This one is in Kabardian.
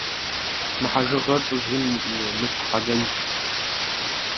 Мы хьэжыгъэр лӀыжьым и мылъку хьэлэлщ.